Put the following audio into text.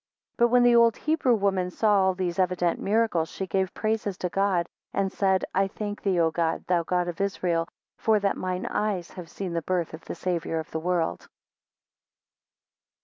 21 But when the old Hebrew woman saw all these evident miracles, she gave praises to God, and said, I thank thee, O God, thou God of Israel, for that mine eyes have seen the birth of the Saviour of the world.